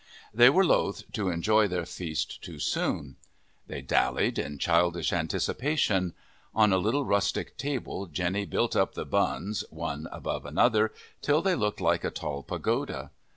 They were loth to enjoy their feast too soon. They dallied in childish anticipation. On the little rustic table Jenny built up the buns, one above another, till they looked like a tall pagoda.